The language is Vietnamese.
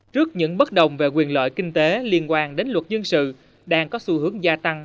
trước những bất đồng về quyền lợi kinh tế liên quan đến luật dân sự đang có xu hướng gia tăng